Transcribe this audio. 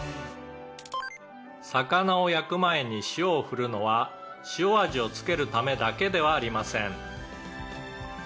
「魚を焼く前に塩を振るのは塩味をつけるためだけではありません」